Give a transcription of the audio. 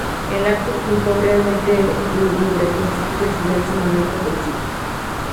El acto V, realmente lúgubre, constituye el final sumamente opresivo.